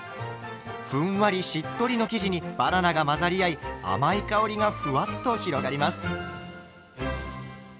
ふんわりしっとりの生地にバナナが混ざり合い甘い香りがふわっと広がります。